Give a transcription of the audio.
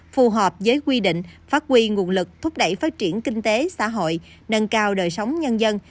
phù hợp với quy định phát huy nguồn lực thúc đẩy phát triển kinh tế xã hội nâng cao đời sống nhân dân